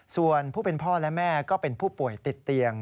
ส่วนผู้เป็นพ่อและแม่ก็เป็นผู้ป่วยติดเตียง